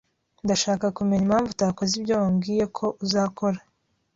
Ndashaka kumenya impamvu utakoze ibyo wambwiye ko uzakora.